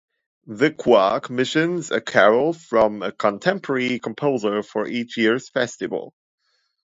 The choir commissions a carol from a contemporary composer for each year's Festival.